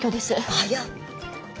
早っ！